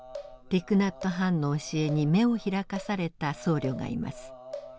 ティク・ナット・ハンの教えに目を開かされた僧侶がいます。